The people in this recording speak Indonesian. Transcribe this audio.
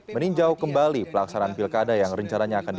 meninjau kembali pelaksanaan pilkada yang rencananya akan